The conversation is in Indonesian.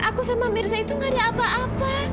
aku sama mirsa itu gak ada apa apa